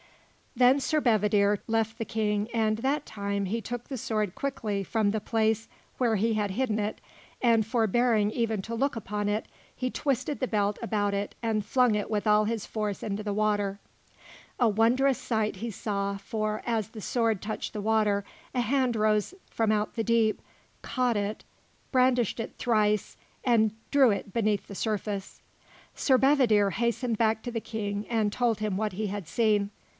Then Sir Bedivere left the King and, that time, he took the sword quickly from the place where he had hidden it and, forbearing even to look upon it, he twisted the belt about it and flung it with all his force into the water. A wondrous sight he saw for, as the sword touched the water, a hand rose from out the deep, caught it, brandished it thrice, and drew it beneath the surface. Sir Bedivere hastened back to the King and told him what he had seen.